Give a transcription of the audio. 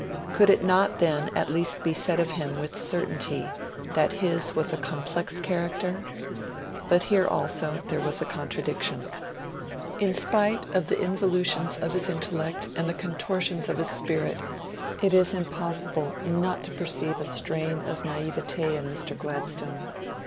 Could it not then at least be said of him with certainty that his was a complex character? But here also there was a contradiction. In spite of the involutions of his intellect and the contortions of his spirit, it is impossible not to perceive a strain of naivete in Mr. Gladstone.